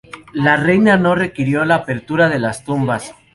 La reina no requirió la apertura de las tumbas.